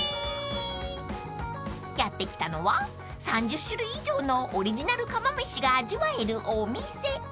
［やって来たのは３０種類以上のオリジナル釜飯が味わえるお店］